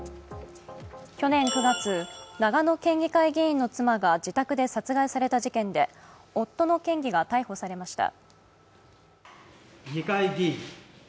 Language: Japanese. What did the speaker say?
去年９月、長野県議会議員の妻が自宅で殺害された事件で夫の県議が逮捕されました。